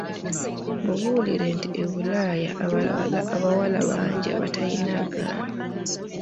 Mubuulire nti e Bulaya abawala bangi abatalina agamba.